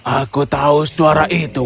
aku tahu suara itu